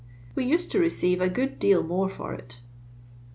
We used to receive a good deal more for it."